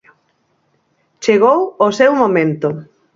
Chegou o seu momento.